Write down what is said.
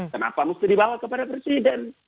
kenapa mesti dibawa kepada presiden